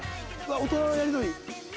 大人のやり取り。